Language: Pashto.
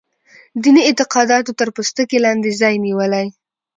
دیني اعتقاداتو تر پوستکي لاندې ځای نیولی.